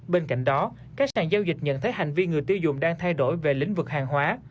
bên cạnh đó các sàn giao dịch nhận thấy hành vi người tiêu dùng đang thay đổi về lĩnh vực hàng hóa